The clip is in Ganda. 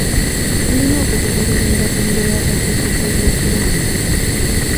Tulina okugoberera endagiriro y'akakiiko k'ebyokulonda.